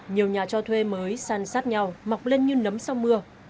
nhiều nhà cho thuê mới san sát nhau mọc lên như nấm song mưa